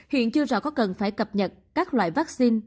hiện chưa rõ có cần phải cập nhật các loại vaccine